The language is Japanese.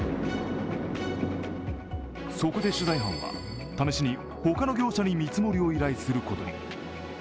そこで取材班は試しに他の業者に見積もりを依頼することに。